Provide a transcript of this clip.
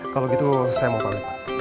kalau gitu saya mau balik